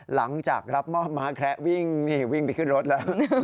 หลังจากรับมอบม้าแคระวิ่งนี่วิ่งไปขึ้นรถแล้ว